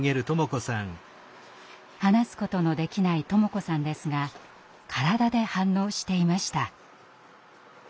話すことのできない智子さんですが体で反応していました。